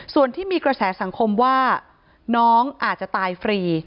ส่วนที่มีกระแสสังคมว่าน้องอาจจะตายฟรี